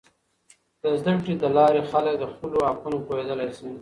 د زده کړې له لارې، خلک د خپلو حقونو پوهیدلی سي.